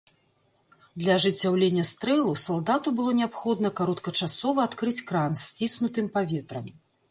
Для ажыццяўлення стрэлу салдату было неабходна кароткачасова адкрыць кран з сціснутым паветрам.